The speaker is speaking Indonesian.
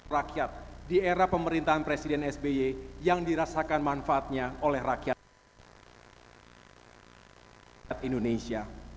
rakyat di era pemerintahan presiden sby yang dirasakan manfaatnya oleh rakyat indonesia